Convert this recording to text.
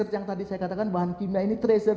yang tadi saya katakan bahan kimia ini tracer